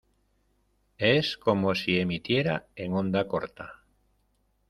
es como si emitiera en onda corta.